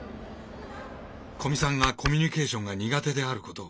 古見さんがコミュニケーションが苦手であることを。